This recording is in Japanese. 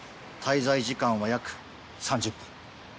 滞在時間は約３０分。